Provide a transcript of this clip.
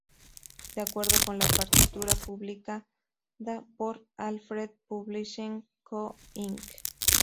De acuerdo con la partitura publicada por Alfred Publishing Co., Inc.